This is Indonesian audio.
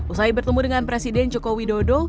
usai bertemu dengan presiden joko widodo